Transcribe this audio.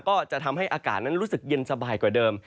ก็จะทำให้อากาศนั้นรู้สึกเย็นสบายกว่าเดิม